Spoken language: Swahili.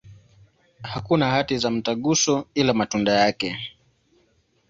Hakuna hati za mtaguso, ila matunda yake.